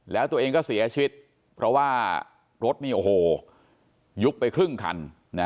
แล้วตัวเองก็เสียชีวิตเพราะว่ารถนี่โอ้โหยุบไปครึ่งคัน